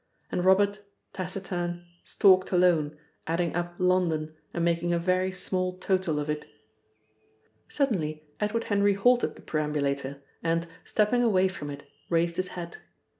And Robert, taciturn, stalked alone, adding up London and making a very small total of it. Suddenly Edward Henry halted the perambulator and, stepping away from it, raised his hat.